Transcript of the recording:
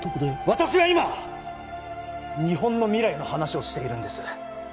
私は今日本の未来の話をしているんです